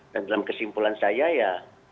dan dalam kesimpulan saya ya